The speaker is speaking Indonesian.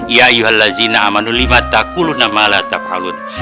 ya ayyuhal lazeena amanu lima takuluna ma'la ta'falun